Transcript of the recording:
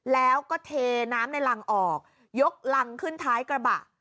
แล้วก็เทน้ำในรังออกยกรังขึ้นท้ายกระบะ